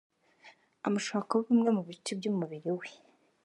amushakaho bimwe mu bice by’umubiri we